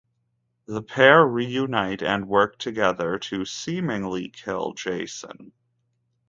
The pair reunite and work together to seemingly kill Jason.